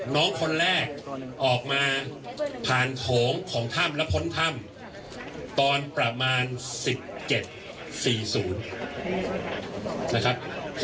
น้องคนแรกออกมาผ่านโถงของถ้ำและพ้นถ้ำตอนประมาณ๑๗๔๐นะครับ